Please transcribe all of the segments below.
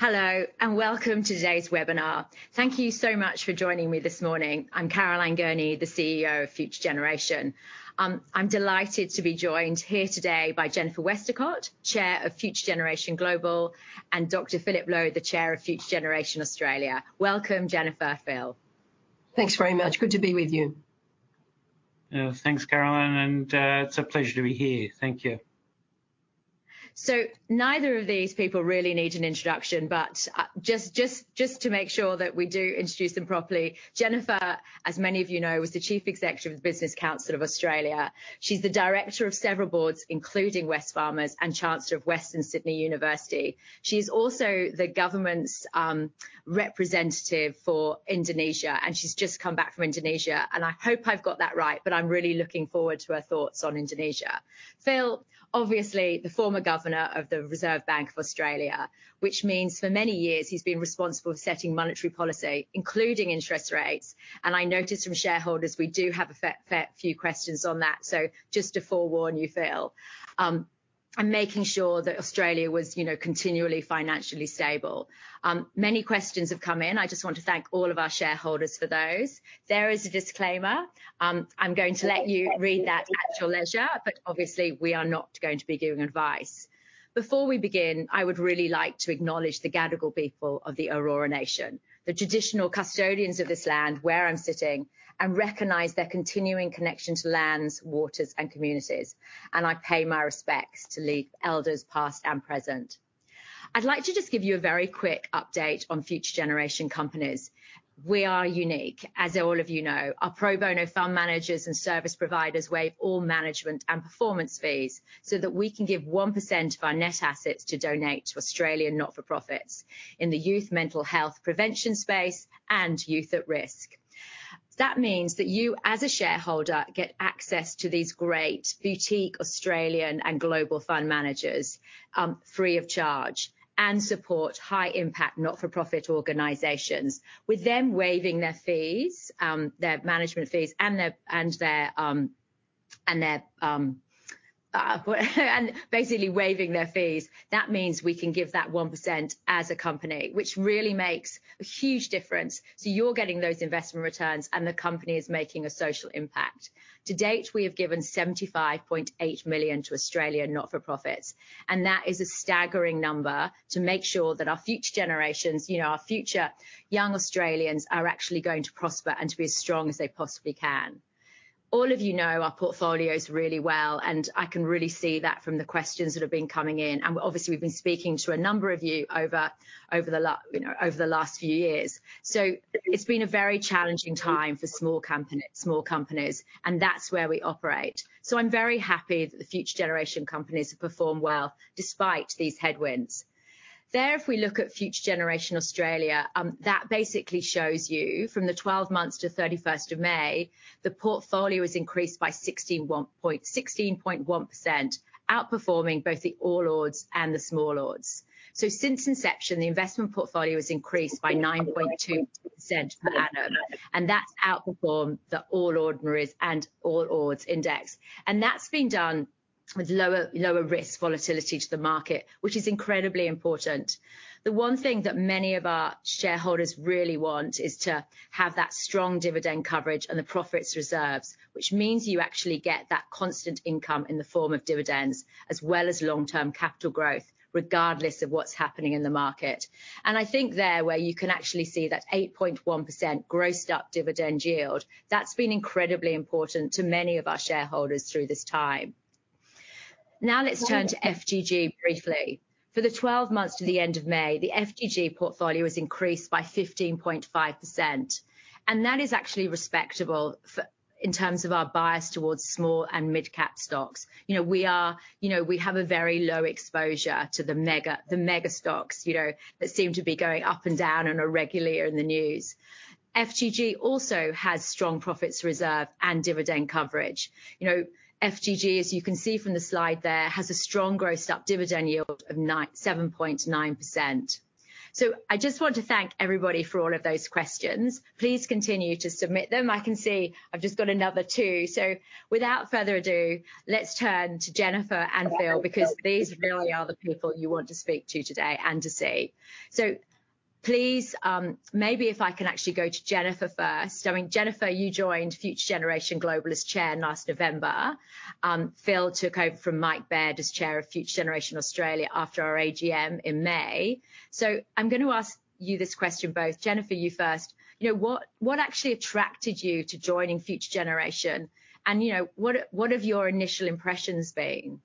Hello, and welcome to today's webinar. Thank you so much for joining me this morning. I'm Caroline Gurney, the CEO of Future Generation. I'm delighted to be joined here today by Jennifer Westacott, Chair of Future Generation Global, and Dr. Philip Lowe, the Chair of Future Generation Australia. Welcome, Jennifer, Phil. Thanks very much. Good to be with you. Thanks, Caroline, and it's a pleasure to be here. Thank you. So neither of these people really need an introduction, but just to make sure that we do introduce them properly, Jennifer, as many of you know, was the Chief Executive of the Business Council of Australia. She's the director of several boards, including Wesfarmers and Chancellor of Western Sydney University. She's also the government's representative for Indonesia, and she's just come back from Indonesia, and I hope I've got that right, but I'm really looking forward to her thoughts on Indonesia. Phil, obviously, the former Governor of the Reserve Bank of Australia, which means for many years he's been responsible for setting monetary policy, including interest rates and making sure that Australia was, you know, continually financially stable. And I noticed from shareholders, we do have a few questions on that, so just to forewarn you, Phil. Many questions have come in. I just want to thank all of our shareholders for those. There is a disclaimer. I'm going to let you read that at your leisure, but obviously we are not going to be giving advice. Before we begin, I would really like to acknowledge the Gadigal people of the Eora Nation, the traditional custodians of this land, where I'm sitting, and recognize their continuing connection to lands, waters, and communities, and I pay my respects to the elders, past and present. I'd like to just give you a very quick update on Future Generation companies. We are unique, as all of you know. Our pro bono fund managers and service providers waive all management and performance fees, so that we can give 1% of our net assets to donate to Australian not-for-profits in the youth mental health prevention space and youth at risk. That means that you, as a shareholder, get access to these great boutique Australian and global fund managers, free of charge, and support high impact not-for-profit organizations. With them waiving their fees, their management fees and basically waiving their fees, that means we can give that 1% as a company, which really makes a huge difference. So you're getting those investment returns, and the company is making a social impact. To date, we have given 75.8 million to Australian not-for-profits, and that is a staggering number to make sure that our future generations, you know, our future young Australians, are actually going to prosper and to be as strong as they possibly can. All of you know our portfolios really well, and I can really see that from the questions that have been coming in. Obviously, we've been speaking to a number of you over, you know, over the last few years. So it's been a very challenging time for small companies, small companies, and that's where we operate. So I'm very happy that the Future Generation companies have performed well despite these headwinds. There, if we look at Future Generation Australia, that basically shows you from the 12 months to 31st of May, the portfolio has increased by 16.1%, outperforming both the All Ords and the Small Ords. So since inception, the investment portfolio has increased by 9.2% per annum, and that's outperformed the All Ordinaries and All Ords index. And that's been done with lower, lower risk volatility to the market, which is incredibly important. The one thing that many of our shareholders really want is to have that strong dividend coverage and the profits reserves, which means you actually get that constant income in the form of dividends, as well as long-term capital growth, regardless of what's happening in the market. I think there, where you can actually see that 8.1% grossed up dividend yield, that's been incredibly important to many of our shareholders through this time. Now, let's turn to FGG briefly. For the 12 months to the end of May, the FGG portfolio has increased by 15.5%, and that is actually respectable in terms of our bias towards small and mid-cap stocks. You know, we are, you know, we have a very low exposure to the mega, the mega stocks, you know, that seem to be going up and down and are regularly in the news. FGG also has strong profits reserve and dividend coverage. You know, FGG, as you can see from the slide there, has a strong grossed-up dividend yield of 9.7%. So I just want to thank everybody for all of those questions. Please continue to submit them. I can see I've just got another two. So without further ado, let's turn to Jennifer and Phil, because these really are the people you want to speak to today and to see. So please, maybe if I can actually go to Jennifer first. I mean, Jennifer, you joined Future Generation Global as chair last November. Phil took over from Mike Baird as chair of Future Generation Australia after our AGM in May. So I'm going to ask you this question, both. Jennifer, you first. You know, what, what actually attracted you to joining Future Generation? And you know, what, what have your initial impressions been?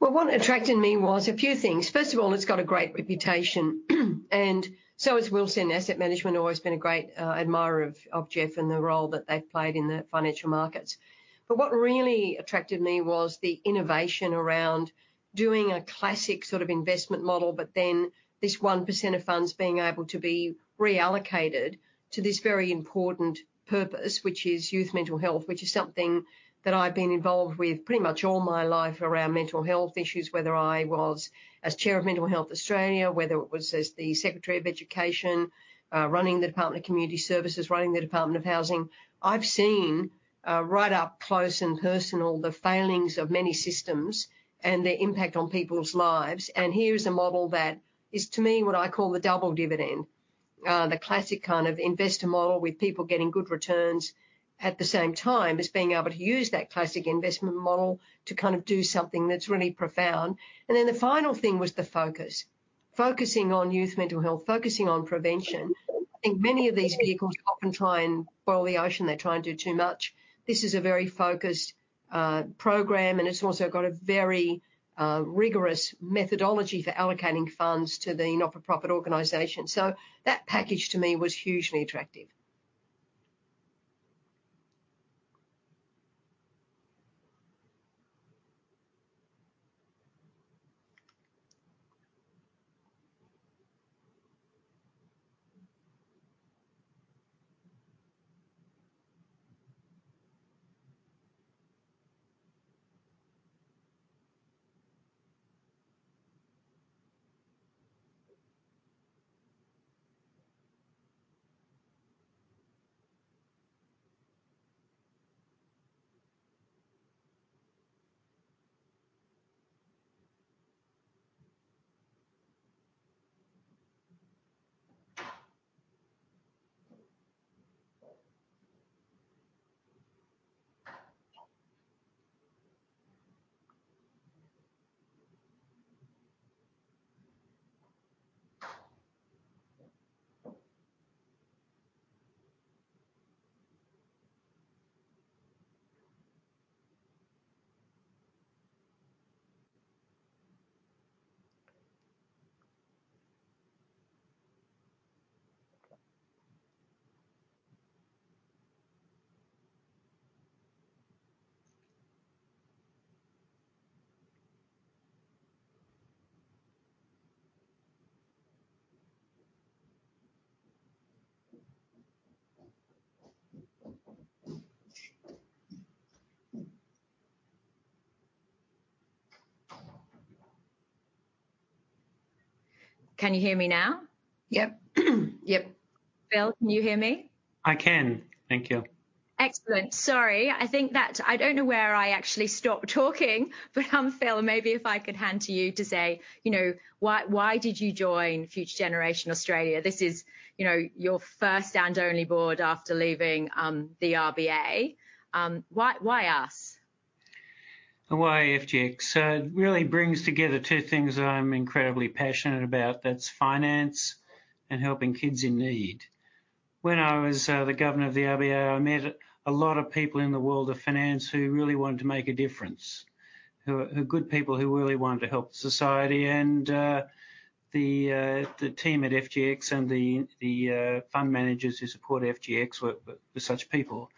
Well, what attracted me was a few things. First of all, it's got a great reputation, and so has Wilson Asset Management, always been a great admirer of Geoff and the role that they've played in the financial markets. But what really attracted me was the innovation around doing a classic sort of investment model, but then this 1% of funds being able to be reallocated to this very important purpose, which is youth mental health, which is something that I've been involved with pretty much all my life around mental health issues, whether I was as chair of Mental Health Australia, whether it was as the Secretary of Education, running the Department of Community Services, running the Department of Housing. I've seen right up close and personal, the failings of many systems and their impact on people's lives. Here is a model that is, to me, what I call the double dividend, the classic kind of investor model, with people getting good returns at the same time as being able to use that classic investment model to kind of do something that's really profound. Then the final thing was the focus. Focusing on youth mental health, focusing on prevention. I think many of these vehicles often try and boil the ocean. They try and do too much. This is a very focused program, and it's also got a very rigorous methodology for allocating funds to the not-for-profit organization. That package, to me, was hugely attractive. Can you hear me now? Yep. Yep. Phil, can you hear me? I can. Thank you. Excellent. Sorry, I think that... I don't know where I actually stopped talking, but, Phil, maybe if I could hand to you to say, you know, why, why did you join Future Generation Australia? This is, you know, your first and only board after leaving the RBA. Why, why us? Why FGX? So it really brings together two things that I'm incredibly passionate about. That's finance and helping kids in need. When I was the governor of the RBA, I met a lot of people in the world of finance who really wanted to make a difference, who are good people, who really wanted to help society. And the team at FGX and the fund managers who support FGX were such people.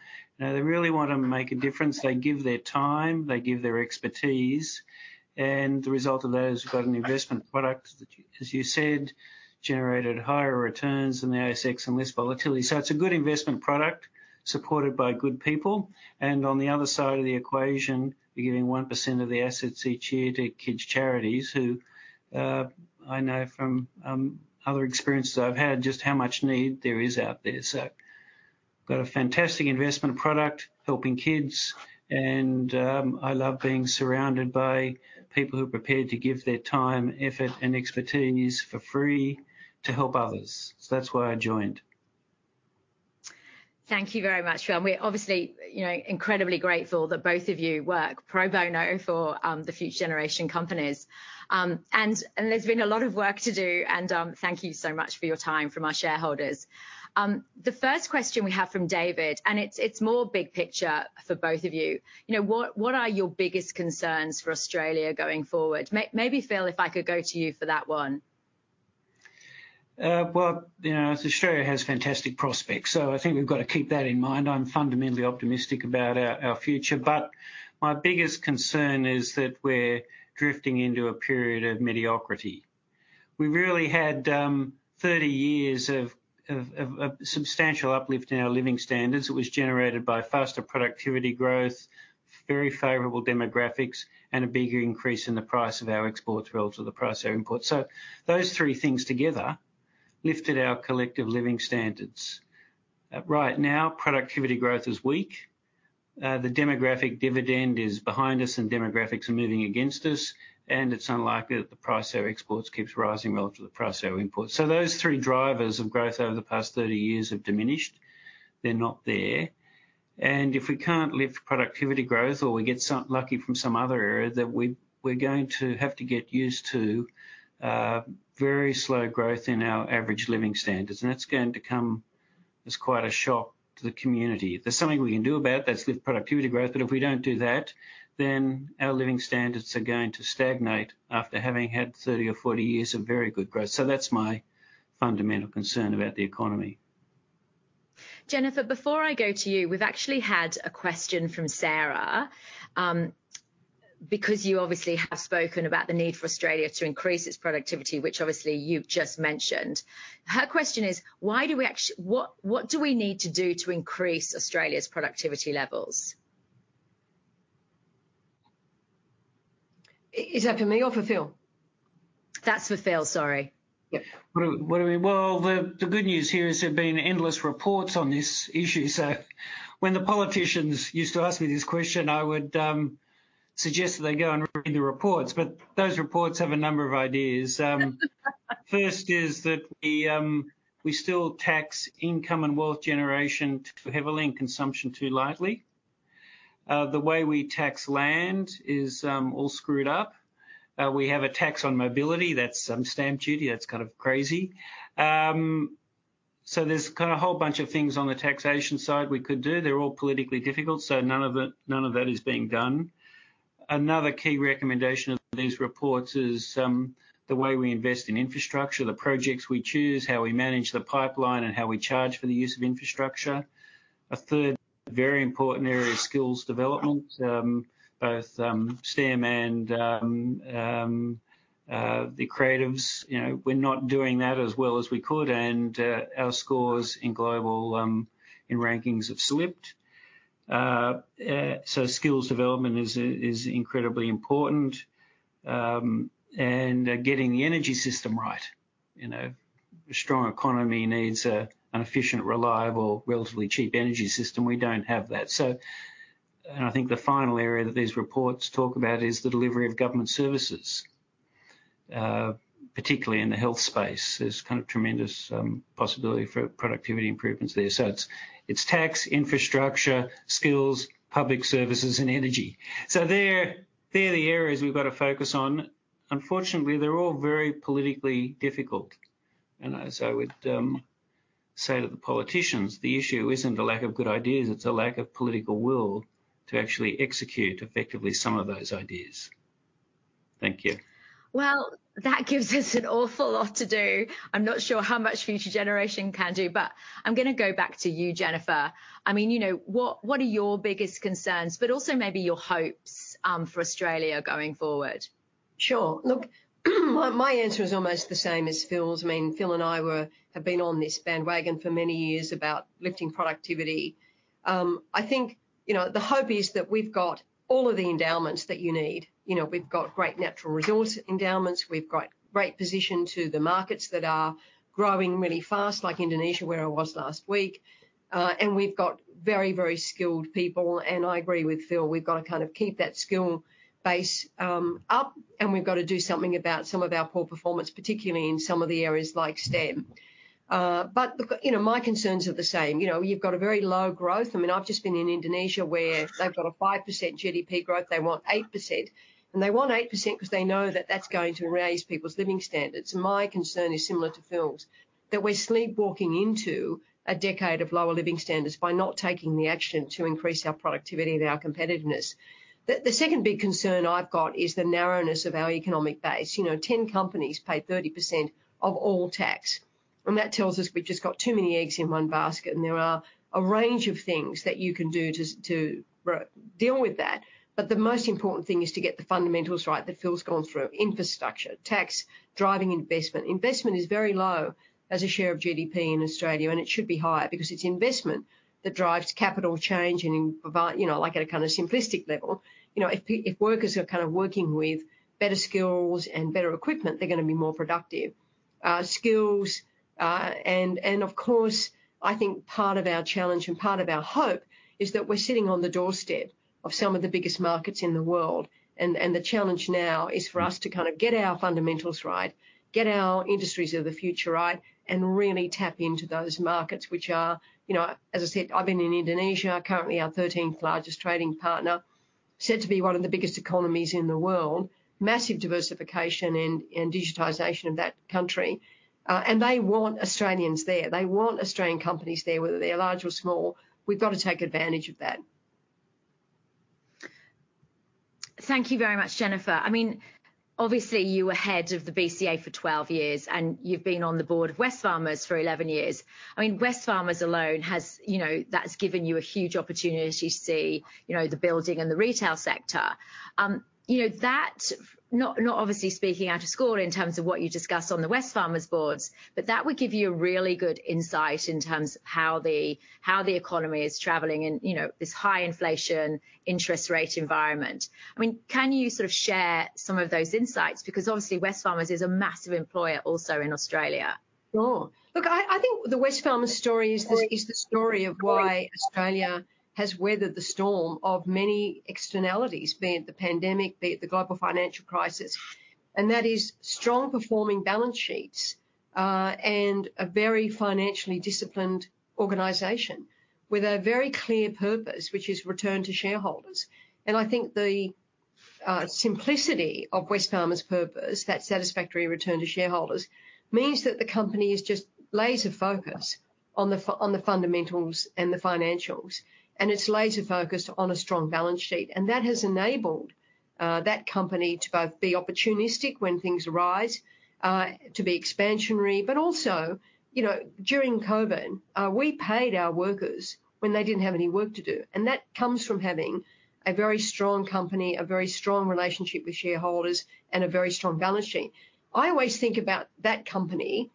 Now, they really want to make a difference. They give their time, they give their expertise, and the result of that is we've got an investment product that, as you said, generated higher returns than the ASX and less volatility. So it's a good investment product supported by good people, and on the other side of the equation, we're giving 1% of the assets each year to kids charities, who, I know from, other experiences I've had, just how much need there is out there. So we've got a fantastic investment product helping kids, and, I love being surrounded by people who are prepared to give their time, effort, and expertise for free to help others. So that's why I joined. Thank you very much, Phil. We're obviously, you know, incredibly grateful that both of you work pro bono for the Future Generation companies. And there's been a lot of work to do, and thank you so much for your time from our shareholders. The first question we have from David, and it's more big picture for both of you. You know, what are your biggest concerns for Australia going forward? Maybe, Phil, if I could go to you for that one. Well, you know, Australia has fantastic prospects, so I think we've got to keep that in mind. I'm fundamentally optimistic about our, our future, but my biggest concern is that we're drifting into a period of mediocrity. We really had 30 years of substantial uplift in our living standards, which was generated by faster productivity growth, very favorable demographics, and a bigger increase in the price of our exports relative to the price of our imports. So those three things together lifted our collective living standards. Right now, productivity growth is weak, the demographic dividend is behind us, and demographics are moving against us, and it's unlikely that the price of our exports keeps rising relative to the price of our imports. So those three drivers of growth over the past 30 years have diminished. They're not there, and if we can't lift productivity growth or we get some lucky from some other area, then we're going to have to get used to very slow growth in our average living standards, and that's going to come as quite a shock to the community. There's something we can do about it. That's lift productivity growth, but if we don't do that, then our living standards are going to stagnate after having had 30 or 40 years of very good growth. So that's my fundamental concern about the economy. Jennifer, before I go to you, we've actually had a question from Sarah, because you obviously have spoken about the need for Australia to increase its productivity, which obviously you've just mentioned. Her question is: "Why do we actually... What, what do we need to do to increase Australia's productivity levels? Is that for me or for Phil? That's for Phil. Sorry. Yep. What do we? Well, the good news here is there've been endless reports on this issue. So when the politicians used to ask me this question, I would suggest that they go and read the reports, but those reports have a number of ideas. First is that we still tax income and wealth generation heavily, and consumption too lightly. The way we tax land is all screwed up. We have a tax on mobility, that's stamp duty. That's kind of crazy. So there's kind of a whole bunch of things on the taxation side we could do. They're all politically difficult, so none of it, none of that is being done. Another key recommendation of these reports is the way we invest in infrastructure, the projects we choose, how we manage the pipeline, and how we charge for the use of infrastructure. A third very important area is skills development, both STEM and the creatives. You know, we're not doing that as well as we could, and our scores in global rankings have slipped. So skills development is incredibly important, and getting the energy system right. You know, a strong economy needs an efficient, reliable, relatively cheap energy system. We don't have that. So, I think the final area that these reports talk about is the delivery of government services, particularly in the health space. There's kind of tremendous possibility for productivity improvements there. So it's tax, infrastructure, skills, public services, and energy. So they're, they're the areas we've got to focus on. Unfortunately, they're all very politically difficult, and so I would, say to the politicians, the issue isn't a lack of good ideas, it's a lack of political will to actually execute effectively some of those ideas. Thank you. Well, that gives us an awful lot to do. I'm not sure how much Future Generation can do, but I'm gonna go back to you, Jennifer. I mean, you know, what, what are your biggest concerns, but also maybe your hopes, for Australia going forward? Sure. Look, my answer is almost the same as Phil's. I mean, Phil and I have been on this bandwagon for many years about lifting productivity. I think, you know, the hope is that we've got all of the endowments that you need. You know, we've got great natural resource endowments, we've got great position to the markets that are growing really fast, like Indonesia, where I was last week. And we've got very, very skilled people, and I agree with Phil, we've got to kind of keep that skill base up, and we've got to do something about some of our poor performance, particularly in some of the areas like STEM. But, look, you know, my concerns are the same. You know, you've got a very low growth. I mean, I've just been in Indonesia, where they've got a 5% GDP growth. They want 8%, and they want 8% because they know that that's going to raise people's living standards. My concern is similar to Phil's, that we're sleepwalking into a decade of lower living standards by not taking the action to increase our productivity and our competitiveness. The second big concern I've got is the narrowness of our economic base. You know, 10 companies pay 30% of all tax, and that tells us we've just got too many eggs in one basket, and there are a range of things that you can do to deal with that. But the most important thing is to get the fundamentals right, that Phil's gone through: infrastructure, tax, driving investment. Investment is very low as a share of GDP in Australia, and it should be higher because it's investment that drives capital change and invi... You know, like, at a kind of simplistic level. You know, if workers are kind of working with better skills and better equipment, they're gonna be more productive. Skills and of course, I think part of our challenge and part of our hope is that we're sitting on the doorstep of some of the biggest markets in the world. And the challenge now is for us to kind of get our fundamentals right, get our industries of the future right, and really tap into those markets, which are, you know... As I said, I've been in Indonesia, currently our thirteenth largest trading partner, set to be one of the biggest economies in the world. Massive diversification and digitization of that country, and they want Australians there. They want Australian companies there, whether they're large or small. We've got to take advantage of that. Thank you very much, Jennifer. I mean, obviously, you were head of the BCA for 12 years, and you've been on the board of Wesfarmers for 11 years. I mean, Wesfarmers alone has, you know, that's given you a huge opportunity to see, you know, the building and the retail sector. You know, that, not, not obviously speaking out of school in terms of what you discussed on the Wesfarmers boards, but that would give you a really good insight in terms of how the, how the economy is traveling in, you know, this high inflation interest rate environment. I mean, can you sort of share some of those insights? Because obviously Wesfarmers is a massive employer also in Australia. Sure. Look, I think the Wesfarmers story is the story of why Australia has weathered the storm of many externalities, be it the pandemic, be it the global financial crisis, and that is strong performing balance sheets and a very financially disciplined organization with a very clear purpose, which is return to shareholders. And I think the simplicity of Wesfarmers' purpose, that satisfactory return to shareholders, means that the company is just laser focused on the fundamentals and the financials, and it's laser focused on a strong balance sheet. And that has enabled that company to both be opportunistic when things arise to be expansionary. But also, you know, during COVID, we paid our workers when they didn't have any work to do, and that comes from having a very strong company, a very strong relationship with shareholders, and a very strong balance sheet. I always think about that company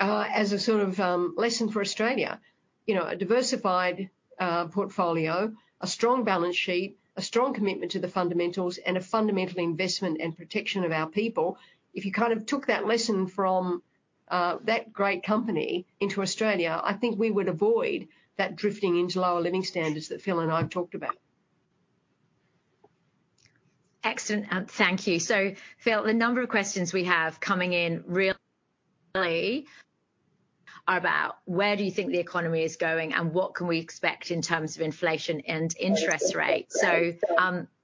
as a sort of lesson for Australia. You know, a diversified portfolio, a strong balance sheet, a strong commitment to the fundamentals, and a fundamental investment and protection of our people. If you kind of took that lesson from that great company into Australia, I think we would avoid that drifting into lower living standards that Phil and I have talked about. Excellent, and thank you. So, Phil, the number of questions we have coming in really are about: where do you think the economy is going, and what can we expect in terms of inflation and interest rates? So,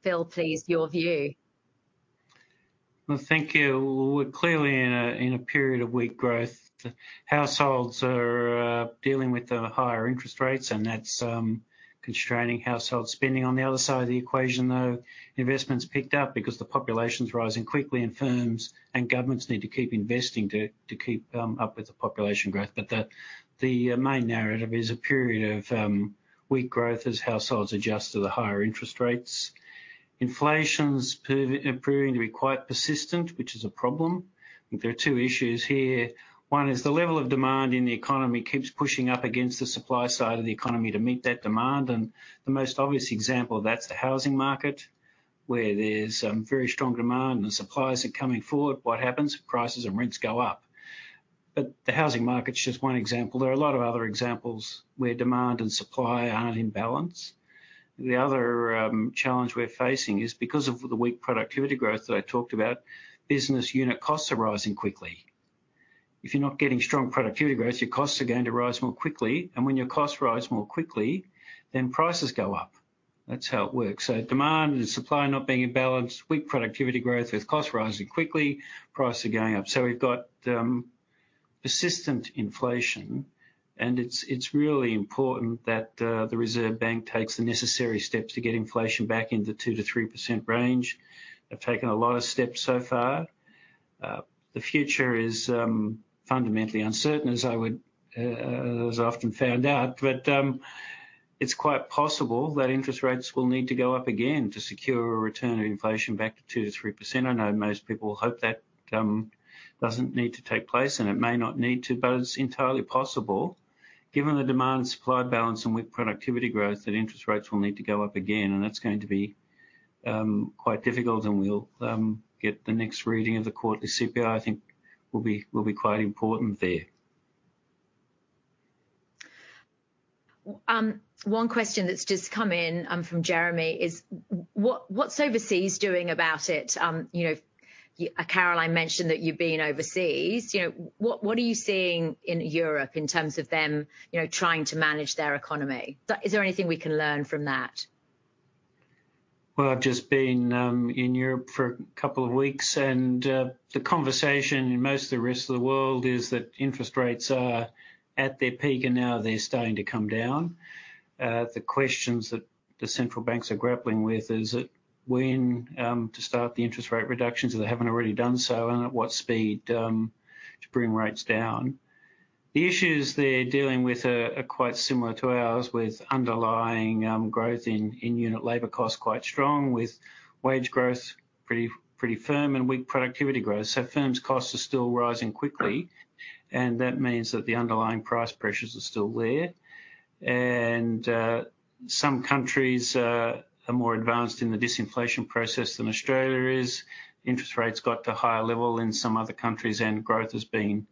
Phil, please, your view. Well, thank you. We're clearly in a period of weak growth. Households are dealing with the higher interest rates, and that's constraining household spending. On the other side of the equation, though, investments picked up because the population's rising quickly, and firms and governments need to keep investing to keep up with the population growth. But the main narrative is a period of weak growth as households adjust to the higher interest rates. Inflation's proving to be quite persistent, which is a problem. There are two issues here. One is the level of demand in the economy keeps pushing up against the supply side of the economy to meet that demand, and the most obvious example of that's the housing market, where there's very strong demand and the supplies are coming forward. What happens? Prices and rents go up. But the housing market's just one example. There are a lot of other examples where demand and supply aren't in balance. The other challenge we're facing is because of the weak productivity growth that I talked about, business unit costs are rising quickly. If you're not getting strong productivity growth, your costs are going to rise more quickly, and when your costs rise more quickly, then prices go up. That's how it works. So demand and supply not being in balance, weak productivity growth, with costs rising quickly, prices are going up. So we've got persistent inflation, and it's really important that the Reserve Bank takes the necessary steps to get inflation back in the 2%-3% range. They've taken a lot of steps so far. The future is fundamentally uncertain, as I would as I often found out. It's quite possible that interest rates will need to go up again to secure a return of inflation back to 2%-3%. I know most people hope that doesn't need to take place, and it may not need to, but it's entirely possible, given the demand and supply balance and with productivity growth, that interest rates will need to go up again, and that's going to be quite difficult, and we'll get the next reading of the quarterly CPI. I think will be quite important there. One question that's just come in, from Jeremy is what, what's overseas doing about it? You know, Caroline mentioned that you've been overseas. You know, what, what are you seeing in Europe in terms of them, you know, trying to manage their economy? Is there anything we can learn from that? Well, I've just been in Europe for a couple of weeks, and the conversation in most of the rest of the world is that interest rates are at their peak, and now they're starting to come down. The questions that the central banks are grappling with is that when to start the interest rate reductions, if they haven't already done so, and at what speed to bring rates down. The issues they're dealing with are quite similar to ours, with underlying growth in unit labor costs quite strong, with wage growth pretty firm and weak productivity growth. So firms' costs are still rising quickly, and that means that the underlying price pressures are still there. And some countries are more advanced in the disinflation process than Australia is. Interest rates got to a higher level in some other countries, and growth has been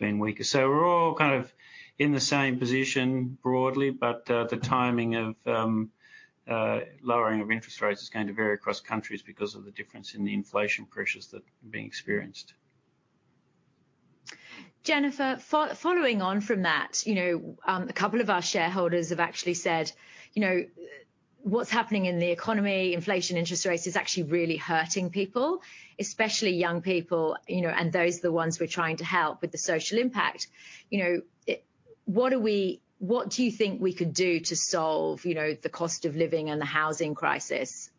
weaker. So we're all kind of in the same position broadly, but the timing of lowering of interest rates is going to vary across countries because of the difference in the inflation pressures that are being experienced. Jennifer, following on from that, you know, a couple of our shareholders have actually said, you know, what's happening in the economy, inflation, interest rates, is actually really hurting people, especially young people, you know, and those are the ones we're trying to help with the social impact. You know, what do you think we could do to solve, you know, the cost of living and the housing crisis?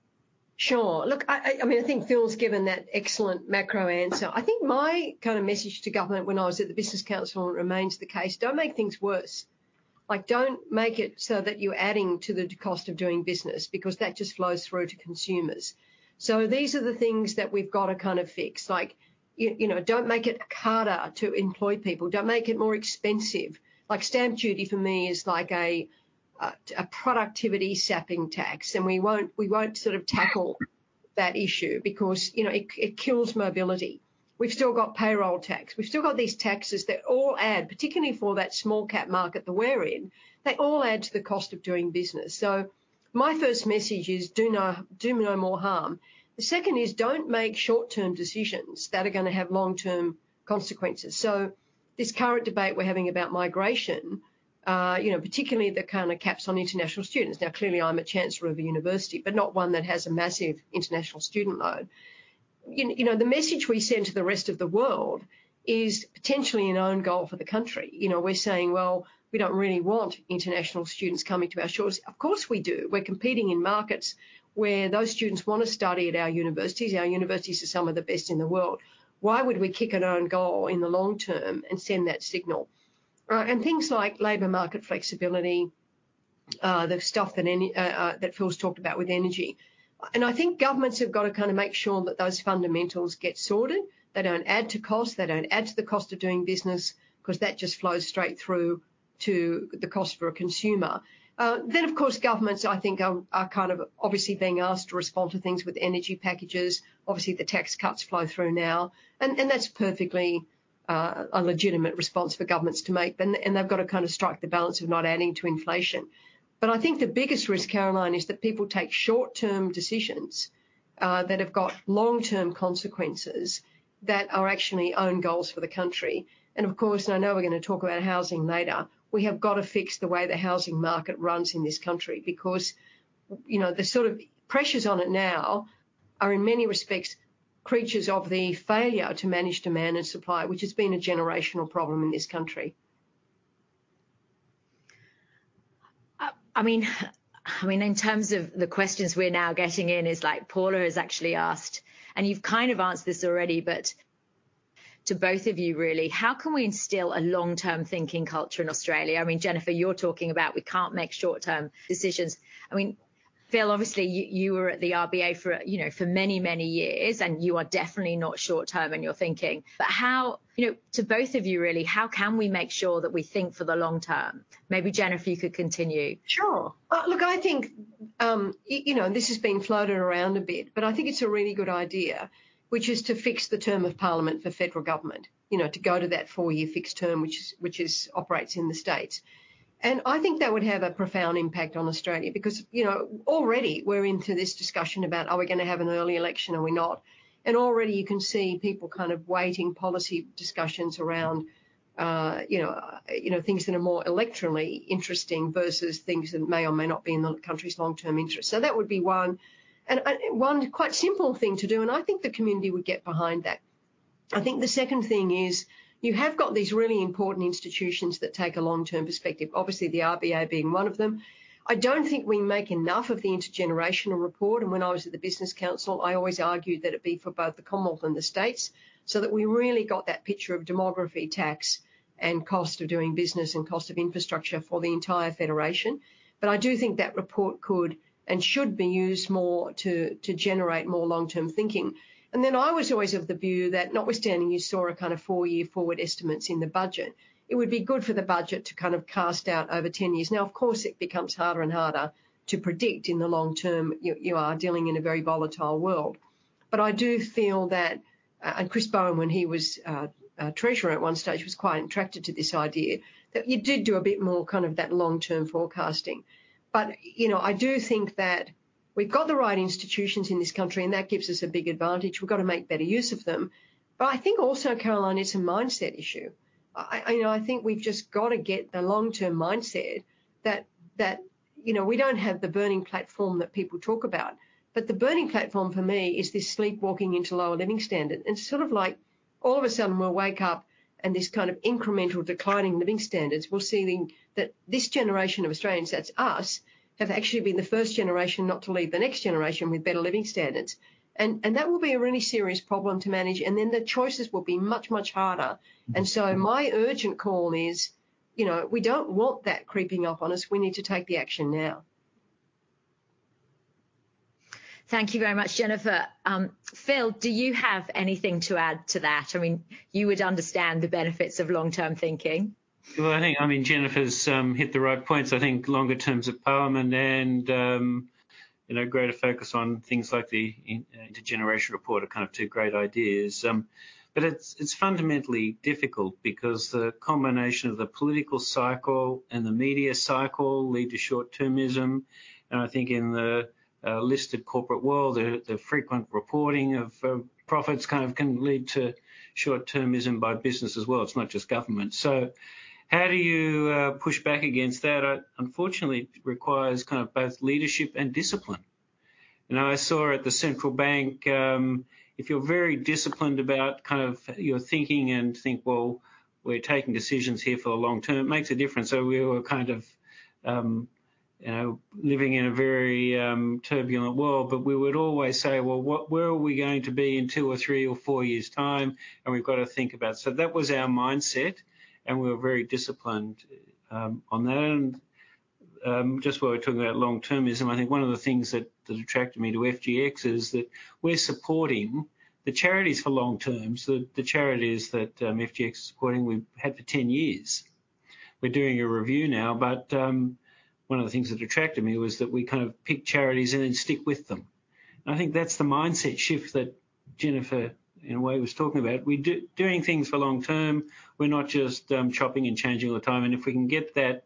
Sure. Look, I mean, I think Phil's given that excellent macro answer. I think my kind of message to government when I was at the Business Council remains the case: Don't make things worse. Like, don't make it so that you're adding to the cost of doing business, because that just flows through to consumers. So these are the things that we've got to kind of fix. Like, you know, don't make it harder to employ people. Don't make it more expensive. Like, stamp duty, for me, is like a productivity-sapping tax, and we won't sort of tackle that issue because, you know, it kills mobility. We've still got payroll tax. We've still got these taxes that all add, particularly for that small cap market that we're in, they all add to the cost of doing business. So my first message is do no more harm. The second is, don't make short-term decisions that are gonna have long-term consequences. So this current debate we're having about migration, you know, particularly the kind of caps on international students. Now, clearly, I'm a chancellor of a university, but not one that has a massive international student load. You know, the message we send to the rest of the world is potentially an own goal for the country. You know, we're saying, "Well, we don't really want international students coming to our shores." Of course, we do. We're competing in markets where those students want to study at our universities. Our universities are some of the best in the world. Why would we kick our own goal in the long term and send that signal? And things like labor market flexibility, the stuff that any that Phil's talked about with energy. And I think governments have got to kind of make sure that those fundamentals get sorted. They don't add to costs. They don't add to the cost of doing business... 'cause that just flows straight through to the cost for a consumer. Then, of course, governments, I think, are kind of obviously being asked to respond to things with energy packages. Obviously, the tax cuts flow through now, and that's perfectly a legitimate response for governments to make. And they've got to kind of strike the balance of not adding to inflation. But I think the biggest risk, Caroline, is that people take short-term decisions that have got long-term consequences, that are actually own goals for the country. Of course, I know we're gonna talk about housing later. We have got to fix the way the housing market runs in this country, because, you know, the sort of pressures on it now are, in many respects, creatures of the failure to manage demand and supply, which has been a generational problem in this country. I mean, I mean, in terms of the questions we're now getting in, is like Paula has actually asked, and you've kind of answered this already, but to both of you really, how can we instill a long-term thinking culture in Australia? I mean, Jennifer, you're talking about we can't make short-term decisions. I mean, Phil, obviously, you were at the RBA for, you know, for many, many years, and you are definitely not short-term in your thinking. But how... You know, to both of you really, how can we make sure that we think for the long term? Maybe, Jennifer, you could continue. Sure. Well, look, I think, you know, this has been floated around a bit, but I think it's a really good idea, which is to fix the term of Parliament for federal government. You know, to go to that four-year fixed term, which operates in the States. And I think that would have a profound impact on Australia because, you know, already we're into this discussion about, are we gonna have an early election, are we not? And already you can see people kind of weighting policy discussions around, you know, you know, things that are more electorally interesting versus things that may or may not be in the country's long-term interest. So that would be one. And one quite simple thing to do, and I think the community would get behind that. I think the second thing is, you have got these really important institutions that take a long-term perspective, obviously, the RBA being one of them. I don't think we make enough of the Intergenerational Report, and when I was at the Business Council, I always argued that it be for both the Commonwealth and the states, so that we really got that picture of demography, tax, and cost of doing business, and cost of infrastructure for the entire federation. But I do think that report could and should be used more to, to generate more long-term thinking. And then I was always of the view that, notwithstanding, you saw a kind of four-year forward estimates in the budget, it would be good for the budget to kind of cast out over ten years. Now, of course, it becomes harder and harder to predict in the long term, you are dealing in a very volatile world. But I do feel that, and Chris Bowen, when he was treasurer at one stage, was quite attracted to this idea, that you did do a bit more kind of that long-term forecasting. But, you know, I do think that we've got the right institutions in this country, and that gives us a big advantage. We've got to make better use of them. But I think also, Caroline, it's a mindset issue. I, you know, I think we've just got to get the long-term mindset that, you know, we don't have the burning platform that people talk about. But the burning platform for me is this sleepwalking into lower living standard. And sort of like, all of a sudden, we'll wake up, and this kind of incremental decline in living standards we're seeing that this generation of Australians, that's us, have actually been the first generation not to leave the next generation with better living standards. And that will be a really serious problem to manage, and then the choices will be much, much harder. And so my urgent call is, you know, we don't want that creeping up on us. We need to take the action now. Thank you very much, Jennifer. Phil, do you have anything to add to that? I mean, you would understand the benefits of long-term thinking. Well, I think, I mean, Jennifer's hit the right points. I think longer terms of Parliament and, you know, greater focus on things like the Intergenerational Report are kind of two great ideas. But it's, it's fundamentally difficult because the combination of the political cycle and the media cycle lead to short-termism, and I think in the listed corporate world, the frequent reporting of profits kind of can lead to short-termism by business as well. It's not just government. So how do you push back against that? Unfortunately, it requires kind of both leadership and discipline. You know, I saw at the Central Bank, if you're very disciplined about kind of your thinking and think, well, we're taking decisions here for the long term, it makes a difference. So we were kind of, you know, living in a very, turbulent world, but we would always say, "Well, what... Where are we going to be in two or three or four years' time? And we've got to think about..." So that was our mindset, and we were very disciplined on that. And, just while we're talking about long-termism, I think one of the things that attracted me to FGX is that we're supporting the charities for long term. So the charities that FGX is supporting, we've had for 10 years. We're doing a review now, but, one of the things that attracted me was that we kind of pick charities and then stick with them. And I think that's the mindset shift that Jennifer, in a way, was talking about. We're doing things for long term, we're not just chopping and changing all the time. And if we can get that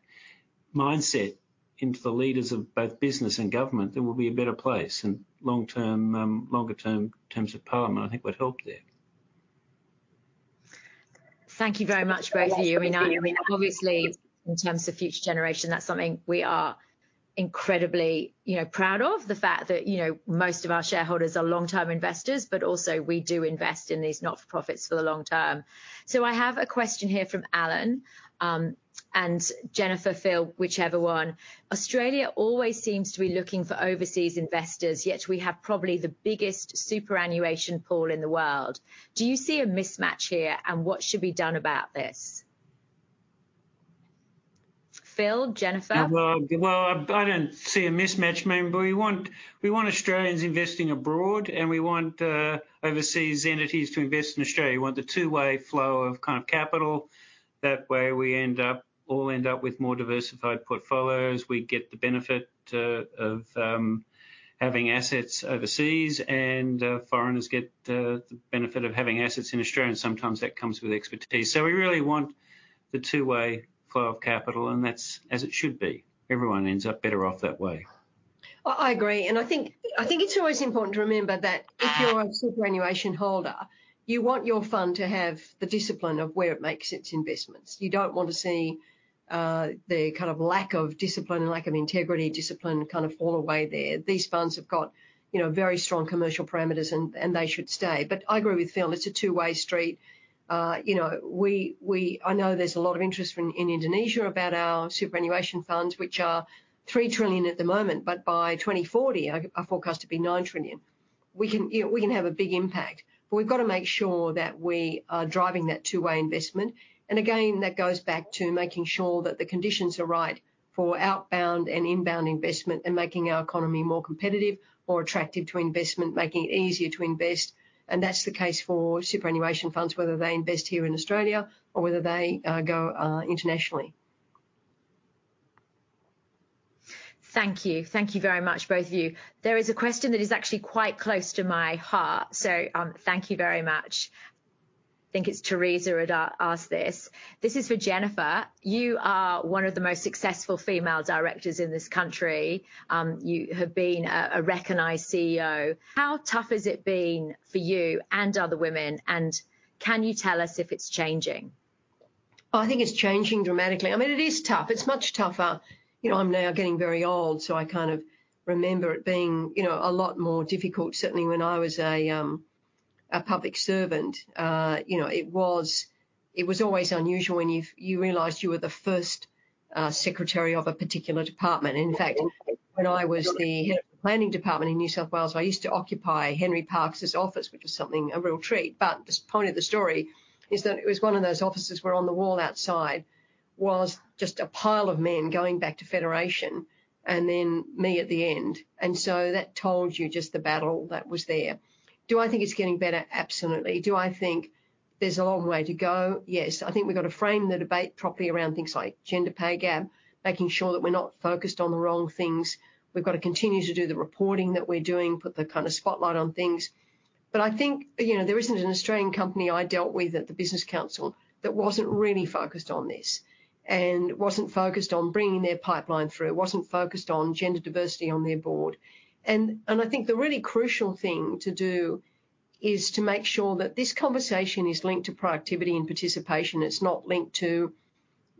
mindset into the leaders of both business and government, there will be a better place and long-term, longer term, terms of Parliament, I think, would help there. Thank you very much, both of you. I mean, I mean, obviously, in terms of Future Generation, that's something we are incredibly, you know, proud of. The fact that, you know, most of our shareholders are long-term investors, but also we do invest in these not-for-profits for the long term. So I have a question here from Alan. And Jennifer, Phil, whichever one. Australia always seems to be looking for overseas investors, yet we have probably the biggest superannuation pool in the world. Do you see a mismatch here? And what should be done about this? Phil, Jennifer? Well, well, I, I don't see a mismatch. I mean, we want, we want Australians investing abroad, and we want overseas entities to invest in Australia. We want the two-way flow of kind of capital. That way, we end up, all end up with more diversified portfolios. We get the benefit of having assets overseas, and foreigners get the benefit of having assets in Australia, and sometimes that comes with expertise. So we really want the two-way flow of capital, and that's as it should be. Everyone ends up better off that way. Well, I agree, and I think it's always important to remember that if you're a superannuation holder, you want your fund to have the discipline of where it makes its investments. You don't want to see the kind of lack of discipline and lack of integrity, discipline kind of fall away there. These funds have got, you know, very strong commercial parameters, and they should stay. But I agree with Phil, it's a two-way street. You know, I know there's a lot of interest in Indonesia about our superannuation funds, which are 3 trillion at the moment, but by 2040, I forecast to be 9 trillion. We can, you know, we can have a big impact, but we've got to make sure that we are driving that two-way investment. And again, that goes back to making sure that the conditions are right for outbound and inbound investment, and making our economy more competitive, more attractive to investment, making it easier to invest. And that's the case for superannuation funds, whether they invest here in Australia or whether they go internationally. Thank you. Thank you very much, both of you. There is a question that is actually quite close to my heart, so thank you very much. I think it's Theresa who'd asked this. This is for Jennifer. You are one of the most successful female directors in this country. You have been a recognized CEO. How tough has it been for you and other women, and can you tell us if it's changing? I think it's changing dramatically. I mean, it is tough. It's much tougher. You know, I'm now getting very old, so I kind of remember it being, you know, a lot more difficult, certainly when I was a public servant. You know, it was, it was always unusual when you, you realized you were the first secretary of a particular department. In fact, when I was the head of the planning department in New South Wales, I used to occupy Henry Parkes's office, which was something, a real treat. But the point of the story is that it was one of those offices where on the wall outside was just a pile of men going back to federation, and then me at the end. And so that told you just the battle that was there. Do I think it's getting better? Absolutely. Do I think there's a long way to go? Yes. I think we've got to frame the debate properly around things like gender pay gap, making sure that we're not focused on the wrong things. We've got to continue to do the reporting that we're doing, put the kind of spotlight on things. But I think, you know, there isn't an Australian company I dealt with at the Business Council that wasn't really focused on this, and wasn't focused on bringing their pipeline through, wasn't focused on gender diversity on their board. And, and I think the really crucial thing to do is to make sure that this conversation is linked to productivity and participation, it's not linked to